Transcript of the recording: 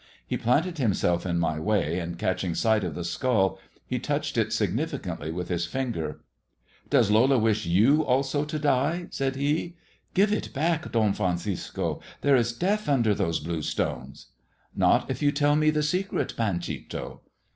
He planted himself in my way, and, catching sight of the skull, he touched it significantly with his finger. " Does Lola wish you also to die T' said he. " Give it back, Don Francisco. There is death under those blue stones." "Not if you tell me the secret, Panchito."